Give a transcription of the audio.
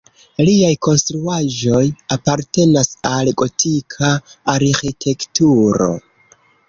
Liaj konstruaĵoj apartenas al gotika arĥitekturo.